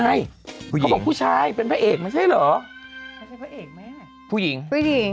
เขาบอกผู้ชายเป็นพระเอกไม่ใช่เหรอผู้หญิงผู้หญิง